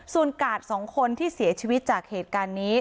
ส่วนกาดสองคนที่เสียชีวิตจากเหตุการณ์นี้